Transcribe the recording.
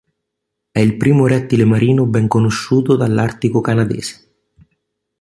È il primo rettile marino ben conosciuto dall'Artico canadese.